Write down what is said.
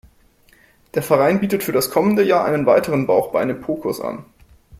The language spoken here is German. Der Verein bietet für das kommende Jahr einen weiteren Bauch-Beine-Po-Kurs an.